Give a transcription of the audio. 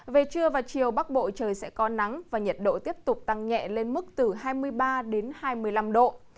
về trưa và chiều bắc bộ trời sẽ có nắng và nhiệt độ tiếp tục tăng nhẹ lên mức từ hai mươi ba đến hai mươi năm độ